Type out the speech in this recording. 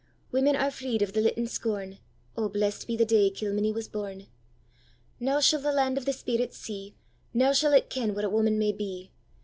Women are freed of the littand scorn:O blest be the day Kilmeny was born! Now shall the land of the spirits see, Now shall it ken what a woman may be!